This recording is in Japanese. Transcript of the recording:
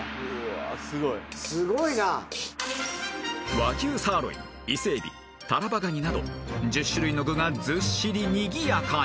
［和牛サーロイン伊勢エビタラバガニなど１０種類の具がずっしりにぎやかに］